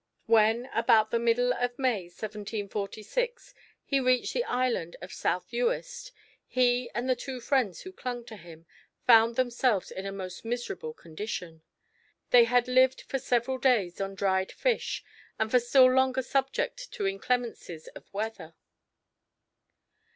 When, about the middle of May, 1846, he reached the Island of South Uist, he and the two friends who clung to him, found themselves in a most miserable condition. They had lived for several days on dried fish and for still longer subject to inclemencies of weather.